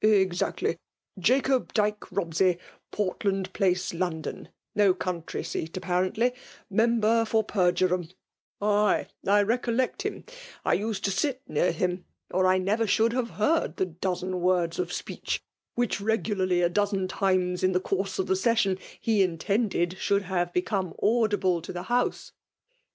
" Exactly^ — 'Jacob Dyke Rob sey« Portland Place, London (no country seat^ apparently), member for Peijurehami' Ay, — I recollect him, — I used to sit near him, or I never should have heard the dozen words of speech, which regularly a dozen times in the course of the session he intended should haire beoome audible to the House.